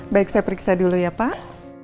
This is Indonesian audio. baik saya periksa dulu ya pak